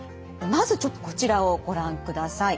まずちょっとこちらをご覧ください。